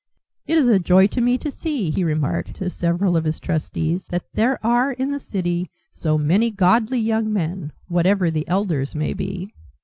"It is a joy to me to see," he remarked to several of his trustees, "that there are in the City so many godly young men, whatever the elders may be."